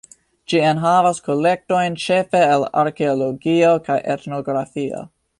Ĝi enhavas kolektojn ĉefe el arkeologio kaj etnografio.